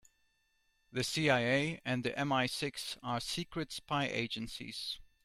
The CIA and MI-Six are secret spy agencies.